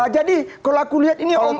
jadi kalau aku lihat ini omongannya